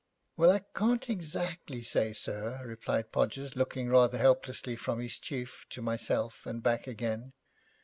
'Well, I can't exactly say, sir,' replied Podgers, looking rather helplessly from his chief to myself, and back again.